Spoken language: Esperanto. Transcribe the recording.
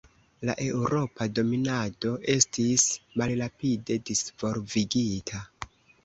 La eŭropa dominado estis malrapide disvolvigita.